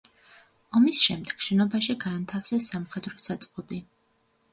ომის შემვეგ შენობაში განათავსეს სამხედრო საწყობი.